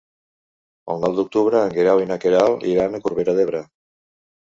El nou d'octubre en Guerau i na Queralt iran a Corbera d'Ebre.